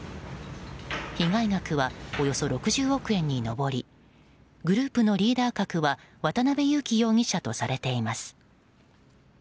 被害額はおよそ６０億円に上りグループのリーダー格は渡辺優樹容疑者とされています。